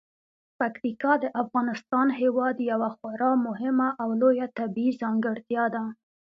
پکتیکا د افغانستان هیواد یوه خورا مهمه او لویه طبیعي ځانګړتیا ده.